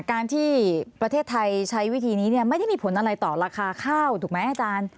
การที่ประเทศไทยใช้วิธีนี้ไม่ได้มีผลอะไรต่อราคาข้าวถูกไหมอาจารย์